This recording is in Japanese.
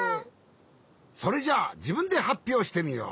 それじゃあじぶんではっぴょうしてみよう。